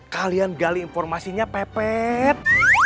kalian gali informasinya pepet